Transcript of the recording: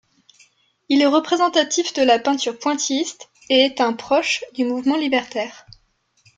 Il est représentatif de la peinture pointilliste et est un proche du mouvement libertaire.